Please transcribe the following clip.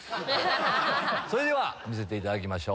それでは見せていただきましょう。